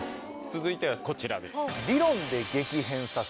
続いてはこちらです。